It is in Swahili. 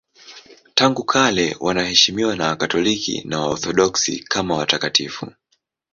Tangu kale wanaheshimiwa na Wakatoliki na Waorthodoksi kama watakatifu.